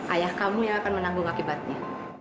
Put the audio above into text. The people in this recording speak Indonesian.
ayah kamu yang akan menanggung akibatnya